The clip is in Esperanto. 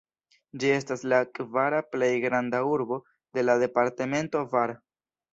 Ĝi estas la kvara plej granda urbo de la departemento Var.